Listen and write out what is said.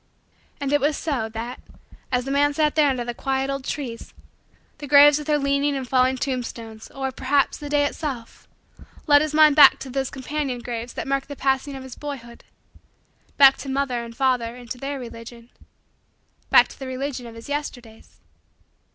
And it was so, that, as the man sat there under the quiet old trees, the graves with their leaning and fallen tombstones, or, perhaps, the day itself, led his mind back to those companion graves that marked the passing of his boyhood back to father and mother and to their religion back to the religion of his Yesterdays.